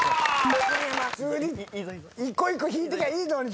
普通に一個一個引いてきゃいいのに。